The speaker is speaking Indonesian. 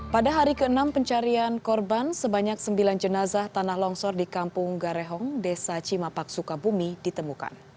pada hari ke enam pencarian korban sebanyak sembilan jenazah tanah longsor di kampung garehong desa cimapak sukabumi ditemukan